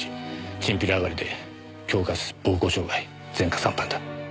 チンピラ上がりで恐喝暴行傷害前科３犯だ。